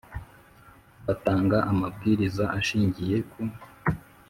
Batanga amabwiriza ashingiye ku